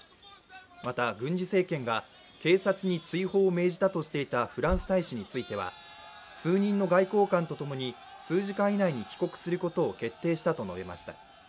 また、軍事政権が警察に追放を命じたとしていたフランス大使については、数人の外交官とともに数時間以内に帰国することを徹底したと述べました。